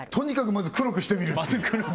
まず黒くしてみる